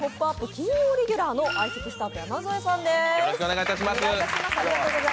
金曜レギュラーの相席スタート、山添さんです。